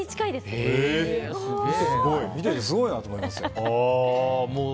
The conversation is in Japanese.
見ててすごいなと思います。